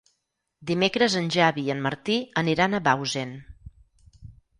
Dimecres en Xavi i en Martí aniran a Bausen.